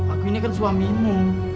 aku ini kan suamimu